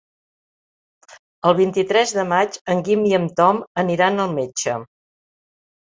El vint-i-tres de maig en Guim i en Tom aniran al metge.